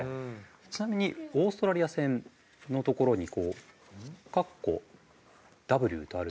ちなみにオーストラリア戦のところにとあるのは？